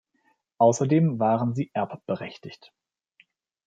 Außerdem waren sie erbberechtigt.